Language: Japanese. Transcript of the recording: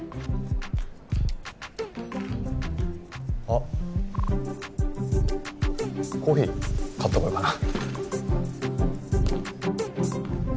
あっコーヒー取ってこようかな。